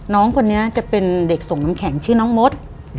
น้องคนนี้จะเป็นเด็กส่งน้ำแข็งชื่อน้องมด